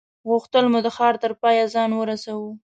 غوښتل مو د ښار تر پایه ځان ورسوو.